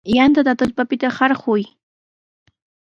Yantata tullpapita hurqay.